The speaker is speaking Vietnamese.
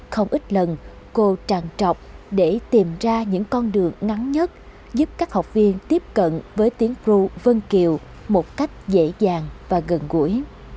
không ít lần cô tràn để tìm ra những con đường ngắn nhất giúp các học viên tiếp cận với tiếng cru vân kiều một cách dễ dàng và gần gũi